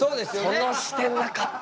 その視点なかったな。